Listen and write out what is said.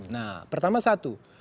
nah pertama satu